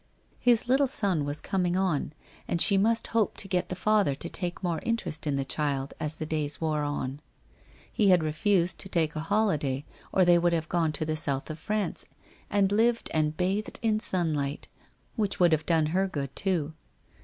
His little son was coming on, and she must hope to get the father to take more interest in the child as the days wore on. He had refused to take a holiday or they would have gone to the south of France and lived and bathed in sunlight, which would have done her good, too.